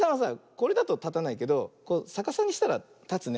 これだとたたないけどさかさにしたらたつね。